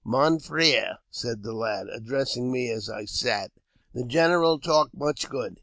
'* Mon frere," said the lad, addressing me as I sat, " the general talk much good.